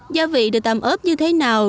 gia vị được tạm ớp như thế nào